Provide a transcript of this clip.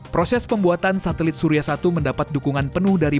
proses pembuatan satelit surya satu mendapat dukungan penuh dari